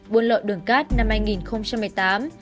buôn lậu đường cát năm hai nghìn một mươi tám